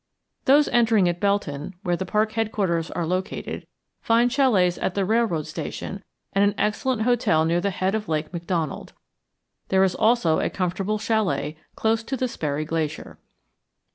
Those entering at Belton, where the park headquarters are located, find chalets at the railroad station and an excellent hotel near the head of Lake McDonald. There is also a comfortable chalet close to the Sperry Glacier.